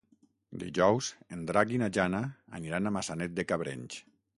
Dijous en Drac i na Jana aniran a Maçanet de Cabrenys.